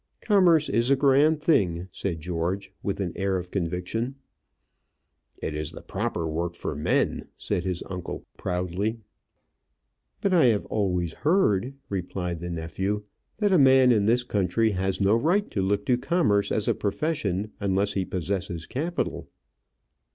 "Commerce is a grand thing," said George, with an air of conviction. "It is the proper work for men," said his uncle, proudly. "But I have always heard," replied the nephew, "that a man in this country has no right to look to commerce as a profession unless he possesses capital."